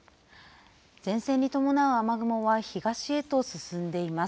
前線に伴う雨雲は東へと進んでいます。